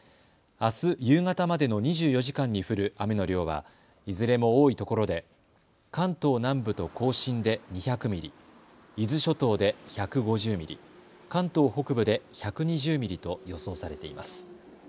あす夕方までの２４時間に降る雨の量は、いずれも多いところで関東南部と甲信で２００ミリ、伊豆諸島で１５０ミリ、関東北部で１２０ミリと予想されています。